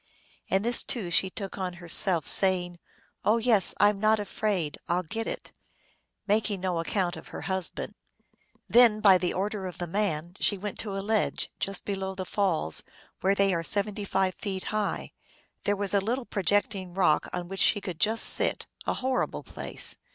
And this, too, she took on herself, saying, " Oh, yes, I m not afraid ; I ll get it," making no account of her husband. Then, by the order of the man, she went to a ledge just below the falls, where they are seventy five feet high. There was a little projecting rock on which she could just sit, a horrible place.